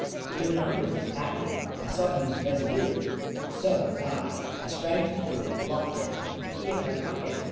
He went on with his packing. I saw he was resolute; so was I. I sprang to the door, locked it, and put the key in my pocket.